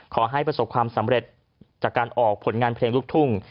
ขอให้ประสบความสำเร็จจากการออกผลงานเพลงลูกทุ่ง